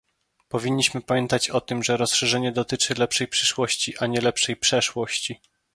Powinniśmy pamiętać o tym, że rozszerzenie dotyczy lepszej przyszłości, a nie lepszej przeszłości